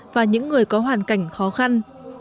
và những người có hoàn cảnh khó khăn